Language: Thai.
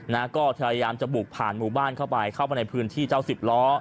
นะก็พยายามจะบุกผ่านหมู่บ้านเข้าไปเข้ามาในพื้นที่เจ้าสิบล้อ